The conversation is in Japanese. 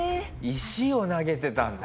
石を投げてたんだ。